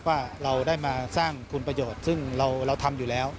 ว่าเราได้มาสร้างคุณประโยชน์ซึ่งเราทำอยู่แล้ว